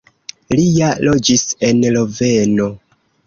Li ja loĝis en Loveno.